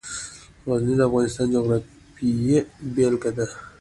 غزني د افغانستان د جغرافیې بېلګه ده.